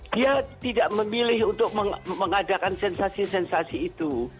dia tidak memilih untuk mengadakan sensasi sensasi itu